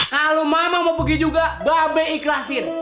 kalo mama mau pergi juga babay ikhlasin